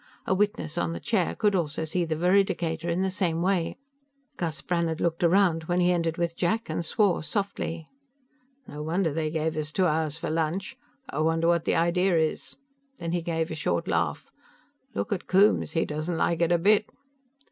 A witness on the chair could also see the veridicator in the same way. Gus Brannhard looked around, when he entered with Jack, and swore softly. "No wonder they gave us two hours for lunch. I wonder what the idea is." Then he gave a short laugh. "Look at Coombes; he doesn't like it a bit."